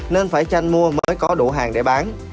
nên phải chăn mua mới có đủ hàng để bán